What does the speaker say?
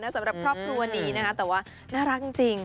สำหรับครอบครัวนี้นะคะแต่ว่าน่ารักจริง